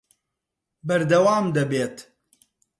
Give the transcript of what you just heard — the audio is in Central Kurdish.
بەردەوام دەبێت